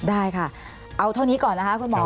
ได้ค่ะเอาเท่านี้ก่อนนะคะคุณหมอ